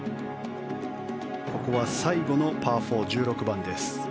ここは最後のパー４、１６番です。